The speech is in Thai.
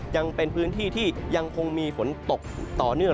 ยังเป็นพื้นที่ที่ยังคงมีฝนตกต่อเนื่อง